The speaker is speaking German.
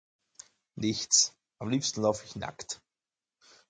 Nichts, am liebsten lauf ich nackt.